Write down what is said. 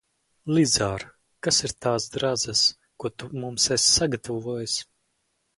Lizār, kas ir tās drazas, ko tu mums esi sagatavojis?